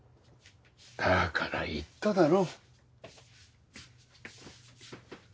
だから言っただろ。